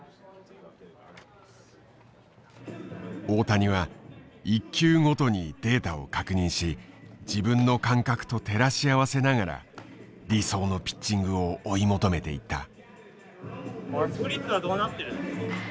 大谷は１球ごとにデータを確認し自分の感覚と照らし合わせながら理想のピッチングを追い求めていった。